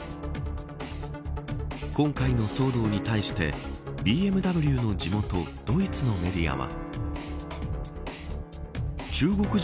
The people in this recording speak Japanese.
今回の騒動に対してＢＭＷの地元ドイツのメディアは。